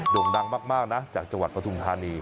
่งดังมากนะจากจังหวัดปฐุมธานี